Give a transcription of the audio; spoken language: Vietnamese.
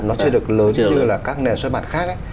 nó chưa được lớn như là các nền xuất bản khác ấy